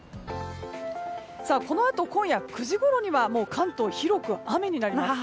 このあと今夜９時ごろには関東は広く雨になります。